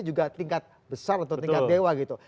juga tingkat besar atau tingkat dewa gitu